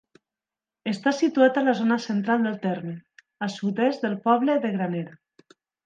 Està situat a la zona central del terme, al sud-est del poble de Granera.